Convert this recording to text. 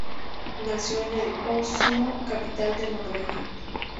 Nació el en Oslo, capital de Noruega.